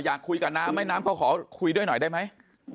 อยากคุยกับน้ำไหมน้ำเขาขอคุยด้วยหน่อยได้ไหม